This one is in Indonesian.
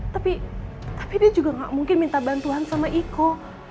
tapi tapi dia juga gak mungkin minta bantuan sama iko